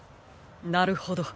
なるほど。